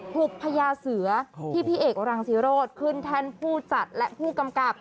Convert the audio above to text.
หุบพญาเสือที่พี่เอกรังศิโรธขึ้นแท่นผู้จัดและผู้กำกับ